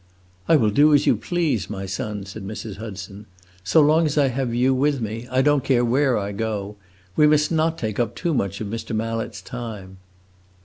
"I will do as you please, my son," said Mrs. Hudson. "So long as I have you with me I don't care where I go. We must not take up too much of Mr. Mallet's time."